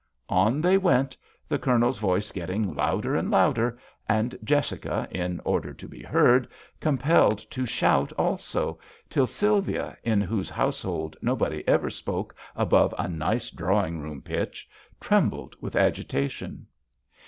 On they went. The Colonel's voice getting louder and louder, and Jessica, in order to be heard, compelled to shout also, till Sylvia, in whose household no body ever spoke above a nice drawing room pitch, trembled with agitation.